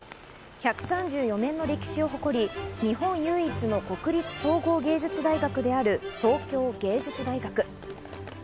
１３４年の歴史を誇り、日本唯一の国立総合芸術大学である東京藝術大学。